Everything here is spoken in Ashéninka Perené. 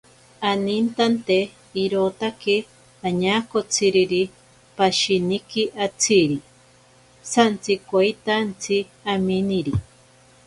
Anintante irotaki añakotsiriri pashiniki atziri santsikoitantsi aminiri.